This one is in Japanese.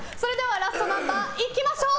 ラストナンバーいきましょう！